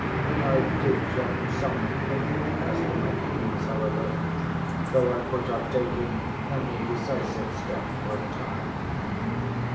I did drop some hint as to my feelings however, though I put off taking any decisive step for a time.